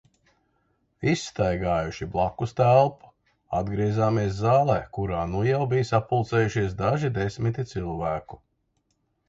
Izstaigājuši blakus telpu, atgriezāmies zālē, kurā nu jau bija sapulcējušies daži desmiti cilvēku.